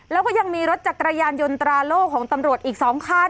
แล้วก็ยังมีรถจักรยานยนต์ตราโล่ของตำรวจอีก๒คัน